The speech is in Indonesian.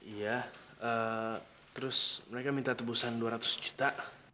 iya terus mereka minta tebusan dua ratus juta